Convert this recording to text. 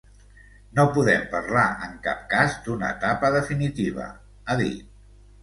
No podem parlar en cap cas d’una etapa definitiva, ha dit.